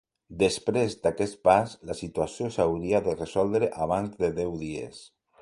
Després d’aquest pas, la situació s’hauria de resoldre abans de deu dies.